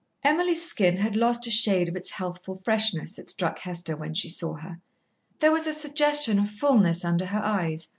Emily's skin had lost a shade of its healthful freshness, it struck Hester, when she saw her. There was a suggestion of fulness under her eyes.